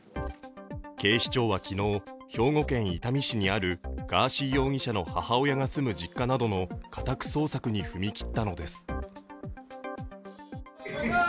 警視庁は昨日、兵庫県伊丹市にあるガーシー容疑者の母親が住む実家などの家宅捜索に踏み切ったのです。